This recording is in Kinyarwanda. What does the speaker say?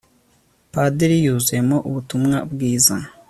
padiri yuzuyemo ubutumwa bwiza